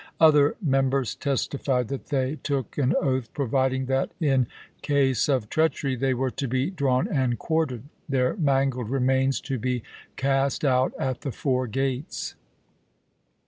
Other members testified that they took an oath providing that in case of treachery they were to be drawn and quartered, their mangled remains to be cast out at the four gates.